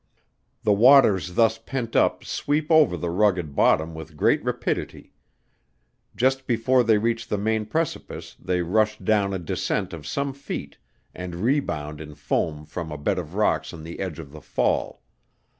The waters thus pent up sweep over the rugged bottom with great rapidity; just before they reach the main precipice they rush down a descent of some feet, and rebound in foam from a bed of rocks on the edge of the fall.